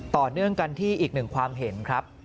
ต่อเนื่องกันที่อีกหนึ่งความเห็นครับ